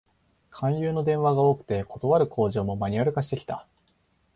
勧誘の電話が多くて、断る口上もマニュアル化してきた